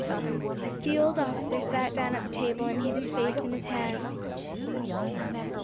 The old officer sat down at the table and hid his face in his hands.